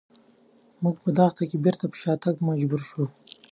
موږ په دښته کې بېرته پر شاتګ ته مجبور شوو.